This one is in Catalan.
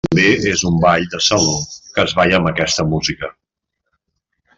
També és un ball de saló que es balla amb aquesta música.